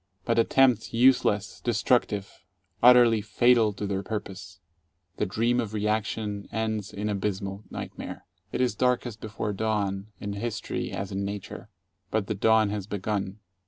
But attempts useless, destructive, utterly fatal to their purpose. The Dream of Reaction ends in abysmal nightmare. It is darkest before dawn, in history as in nature. But the dawn has begun.